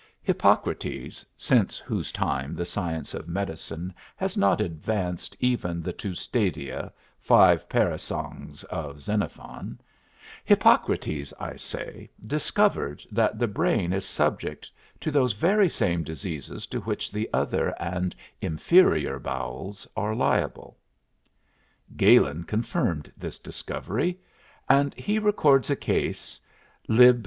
Hippocrates (since whose time the science of medicine has not advanced even the two stadia, five parasangs of Xenophon) Hippocrates, I say, discovered that the brain is subject to those very same diseases to which the other and inferior bowels are liable. "Galen confirmed this discovery and he records a case (Lib.